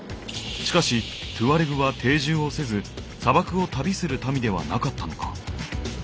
しかしトゥアレグは定住をせず砂漠を旅する民ではなかったのか？